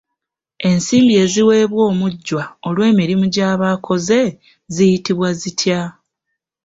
Ensimbi eziweebwa omujjwa olw'emirimu gyaba akoze ziyitibwa zitya?